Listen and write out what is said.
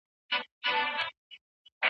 د جنیوا تړونونه په کلکه رعایت کیدل.